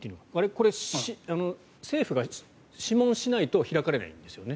これ、政府が諮問しないと開かれないんですよね？